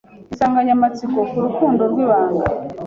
Insanganyamatsiko ku Rukundo rwibanga